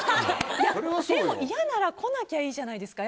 でも嫌なら来なきゃいいじゃないですか。